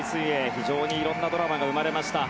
非常に色んなドラマが生まれました。